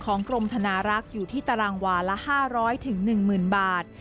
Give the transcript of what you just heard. กรมธนารักษ์อยู่ที่ตารางวาละ๕๐๐๑๐๐๐บาท